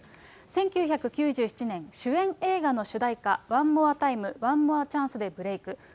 １９９７年、主演映画の主題歌、ワンモアタイムワンモアチャンスでブレーク。